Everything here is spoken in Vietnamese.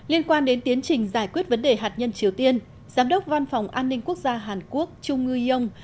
liên quan đến tiến trình giải quyết vấn đề hạt nhân triều tiên giám đốc văn phòng an ninh quốc gia hàn quốc trung ngư yong